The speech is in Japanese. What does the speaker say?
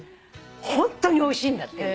ホントにおいしいんだって。